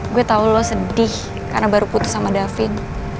gue tau lo sedih karena baru putus sama david